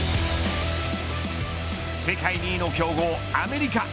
世界２位の強豪アメリカ。